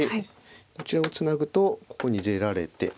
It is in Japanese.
こちらをツナぐとここに出られて。